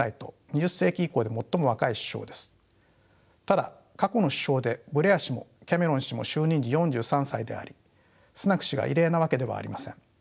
ただ過去の首相でブレア氏もキャメロン氏も就任時４３歳でありスナク氏が異例なわけではありません。